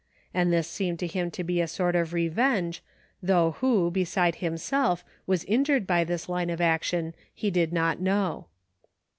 And this seemed to him to be a sort of revenge, though who, beside himself, was injured by this line of action he did not know.